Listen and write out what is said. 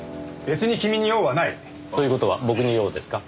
別に君に用はない！という事は僕に用ですか？